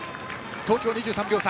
東京、２３秒差。